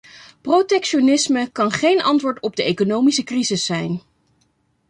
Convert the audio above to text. Protectionisme kan geen antwoord op de economische crisis zijn.